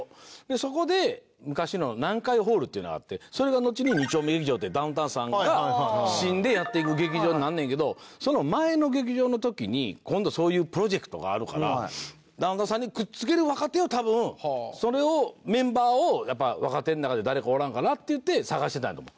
そこで昔の南海ホールっていうのがあってそれがのちに２丁目劇場ってダウンタウンさんが芯でやっていく劇場になんねんけどその前の劇場の時に今度そういうプロジェクトがあるからダウンタウンさんにくっつける若手を多分それをメンバーを若手の中で誰かおらんかなっていって探してたんやと思う。